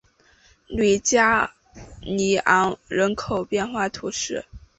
吕加尼昂人口变化图示